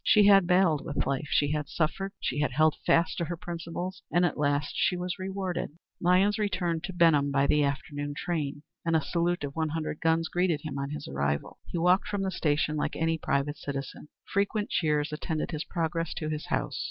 She had battled with life, she had suffered, she had held fast to her principles, and at last she was rewarded. Lyons returned to Benham by the afternoon train, and a salute of one hundred guns greeted him on his arrival. He walked from the station like any private citizen. Frequent cheers attended his progress to his house.